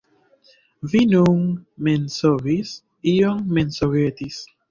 Vi nun mensogis, iom mensogetis.